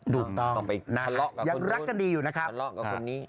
ถูกต้องต้องไปทะเลาะกับคนอื่นยังรักกันดีอยู่นะครับทะเลาะกับคนนี้